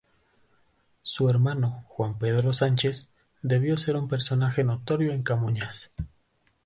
Su hermano, Juan Pedro Sánchez, debió ser un personaje notorio en Camuñas.